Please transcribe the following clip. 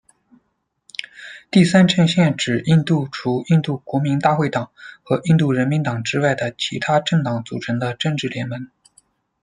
第三阵线指印度除印度国民大会党和印度人民党之外的其它政党组成的政治联盟。